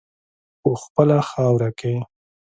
په خپله خاوره کې.